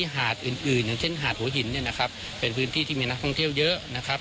หาดหัวหินนี่เป็นพื้นที่ที่มีนักท่องเที่ยวเยอะนะครับ